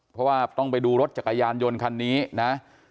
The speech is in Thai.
เพราะว่าต้องไปดูรถจักรยานยนต์คันนี้นะ